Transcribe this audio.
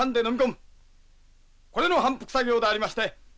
これの反復作業でありまして反すう